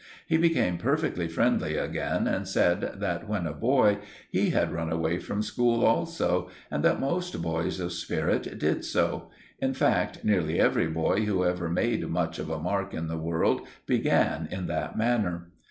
He became perfectly friendly again and said that, when a boy, he had run away from school also, and that most boys of spirit did so—in fact, nearly every boy who ever made much of a mark in the world began in that manner.